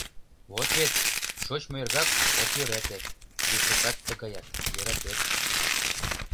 Вот вет, шочмо эргак — от йӧрате, весыжат тыгаяк — йӧратет.